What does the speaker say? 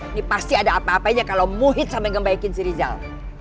ini pasti ada apa apanya kalau muhit sama yang ngebaikin si rizal